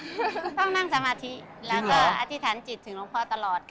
ต้องนั่งสมาธิแล้วก็อธิษฐานจิตถึงหลวงพ่อตลอดค่ะ